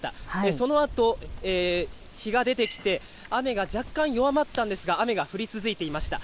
そのあと日が出てきて、雨が若干、弱まったんですが、雨が降り続いていました。